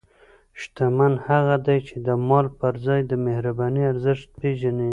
شتمن هغه دی چې د مال پر ځای د مهربانۍ ارزښت پېژني.